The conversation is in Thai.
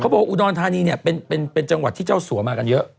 บอกอุดรธานีเนี่ยเป็นจังหวัดที่เจ้าสัวมากันเยอะ